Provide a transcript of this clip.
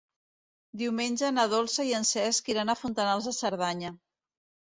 Diumenge na Dolça i en Cesc iran a Fontanals de Cerdanya.